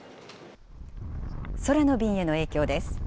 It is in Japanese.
空の便への影響です。